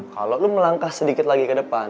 kalau lo melangkah sedikit lagi ke depan